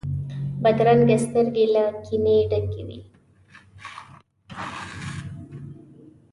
بدرنګه سترګې له کینې ډکې وي